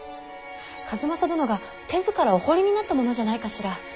数正殿が手ずからお彫りになったものじゃないかしら。